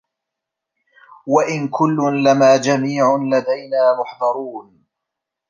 وَإِن كُلٌّ لَمّا جَميعٌ لَدَينا مُحضَرونَ